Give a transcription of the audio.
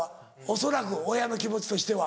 恐らく親の気持ちとしては。